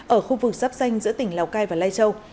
ở khu vực sắp xanh giữa tỉnh lào cai và lai châu